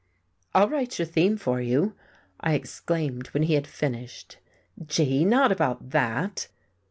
"I'll write your theme for you," I exclaimed, when he had finished. "Gee, not about that!"